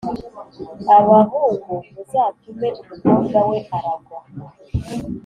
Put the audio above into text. abahungu muzatume umukobwa we aragwa